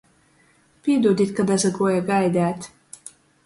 Pīdūdit, ka dasaguoja gaideit.